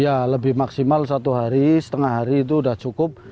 ya lebih maksimal satu hari setengah hari itu sudah cukup